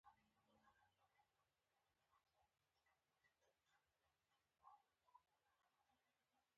وسله د لمر مخ پټوي